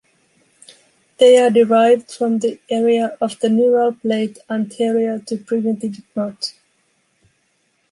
They are derived from the area of the neural plate anterior to primitive knot.